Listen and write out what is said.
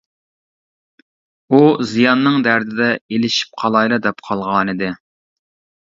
!، -ئۇ زىياننىڭ دەردىدە ئېلىشىپ قالايلا دەپ قالغانىدى.